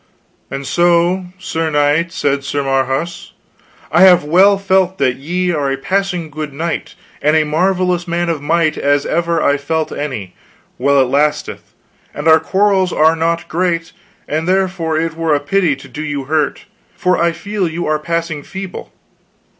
"and so, Sir Knight, said Sir Marhaus, I have well felt that ye are a passing good knight, and a marvelous man of might as ever I felt any, while it lasteth, and our quarrels are not great, and therefore it were a pity to do you hurt, for I feel you are passing feeble.